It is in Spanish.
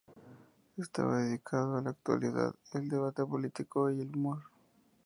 Estaba dedicado a la actualidad, el debate político y el humor.